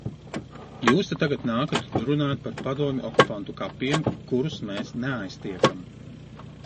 Jūs te tagad nākat un runājat par padomju okupantu kapiem, kurus mēs neaiztiekam.